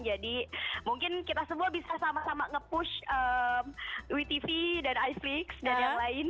jadi mungkin kita semua bisa sama sama nge push wetv dan ice flix dan yang lain